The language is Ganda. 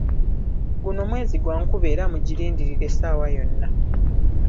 Guno mwezi gwa nkuba era mugirindirire essaawa yonna.